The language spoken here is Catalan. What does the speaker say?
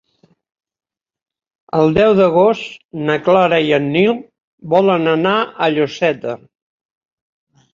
El deu d'agost na Clara i en Nil volen anar a Lloseta.